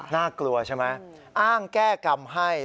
น่ากลัวใช่ไหมอ้างแก้กรรมให้